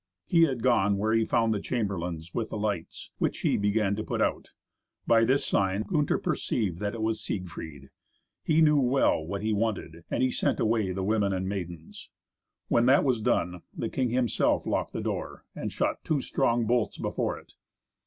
He had gone where he found the chamberlains with the lights, which he began to put out. By this sign Gunther perceived that it was Siegfried. He knew well what he wanted, and he sent away the women and maidens. When that was done, the king himself locked the door, and shot two strong bolts before it.